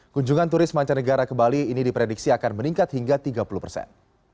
kunjungan turis mancanegara ke bali ini diprediksi akan meningkat hingga tiga puluh persen